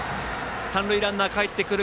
三塁ランナーかえってくる。